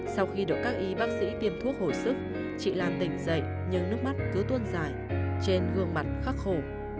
sau khi được các y bác sĩ tiêm thuốc hồi sức chị làm tỉnh dậy nhưng nước mắt cứ tuôn dài trên gương mặt khắc khổ